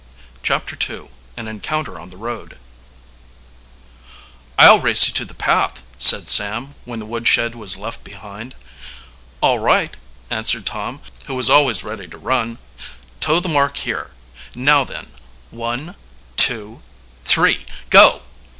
CHAPTER II AN ENCOUNTER ON THE ROAD "I'll race you to the path," said Sam, when the woodshed was left behind. "All right," answered Tom, who was always ready to run. "Toe the mark here. Now then one, two, three! Go!"